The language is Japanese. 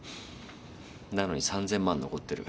なのに３，０００万残ってる。